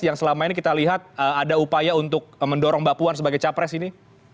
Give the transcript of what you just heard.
yang selama ini kita lihat ada upaya untuk mendorong mbak puan sebagai capres ini